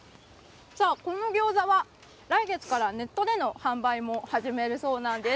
さあ、このギョーザは、来月からネットでの販売も始めるそうなんです。